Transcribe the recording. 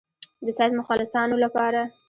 د سید مخلصانو لپاره.